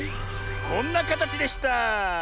こんなかたちでした。